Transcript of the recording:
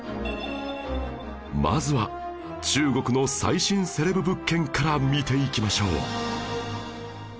まずは中国の最新セレブ物件から見ていきましょう